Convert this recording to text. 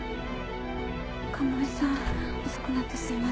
鴨居さん遅くなってすいません。